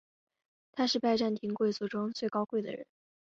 他是拜占庭贵族中最高贵的人。